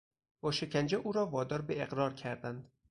با شکنجه او را وادار به اقرار کردند.